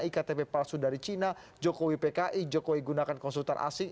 iktp palsu dari china jokowi pki jokowi gunakan konsultan asing